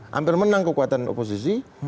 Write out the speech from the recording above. hampir menang kekuatan oposisi